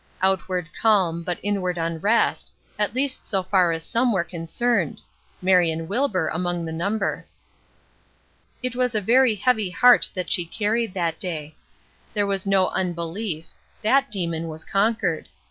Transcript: Outward calm, but inward unrest, at least so far as some were concerned; Marion Wilbur among the number. It was a very heavy heart that she carried that day. There was no unbelief; that demon was conquered.